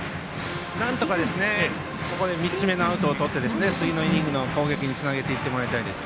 なんとかここで３つ目のアウトをとって次のイニングの攻撃につなげていってもらいたいです。